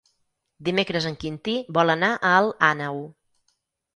Dimecres en Quintí vol anar a Alt Àneu.